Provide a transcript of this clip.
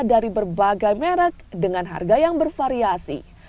dari berbagai merek dengan harga yang bervariasi